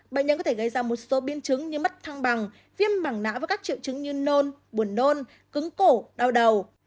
bệnh nhân có thể gây ra một số biên chứng như mất thăng bằng viêm mảng nã với các triệu chứng như nôn buồn nôn cứng cổ đau đầu